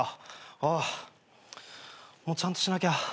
ああ。ちゃんとしなきゃ。